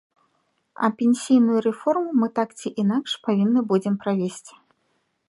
А пенсійную рэформу мы так ці інакш павінны будзем правесці.